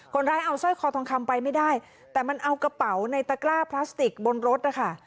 คนร้ายเอาสร้อยคอทองคำไปไม่ได้แต่มันเอากระเป๋าในตะกร้าพลาสติกบนรถนะคะ